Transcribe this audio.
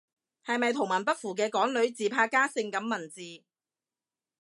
係咪圖文不符嘅港女自拍加感性文字？